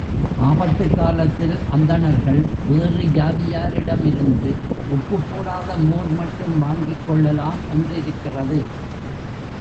ஆபத்துக்காலத்தில், அந்தணர்கள் வேறு ஜாதியாரிடமிருந்து உப்புப் போடாத மோர் மட்டும் வாங்கிக் கொள்ளலாம் என்றிருக்கிறது.